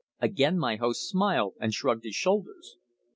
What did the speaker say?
Again my host smiled, and shrugged his shoulders.